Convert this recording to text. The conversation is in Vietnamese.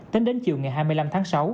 tính đến chiều ngày hai mươi năm tháng sáu